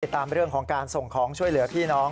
ตามเรื่องของการส่งของช่วยเหลือพี่น้อง